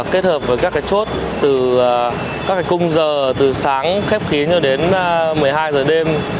kết hợp với các cái chốt từ các cái cung giờ từ sáng khép khí cho đến một mươi hai h đêm